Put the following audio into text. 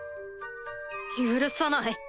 許さない。